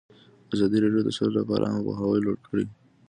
ازادي راډیو د سوله لپاره عامه پوهاوي لوړ کړی.